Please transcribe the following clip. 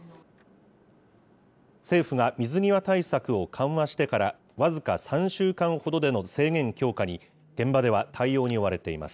政府が水際対策を緩和してから、僅か３週間ほどでの制限強化に、現場では対応に追われています。